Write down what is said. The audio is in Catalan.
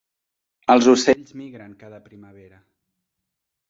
Els ocells migren cada primavera.